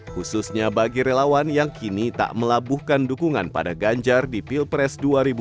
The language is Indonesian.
khususnya bagi relawan yang kini tak melabuhkan dukungan pada ganjar di pilpres dua ribu dua puluh